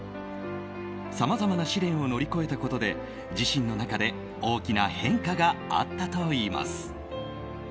さまざまな試練を乗り越えたことで、自身の中で大きな変化があったといいます。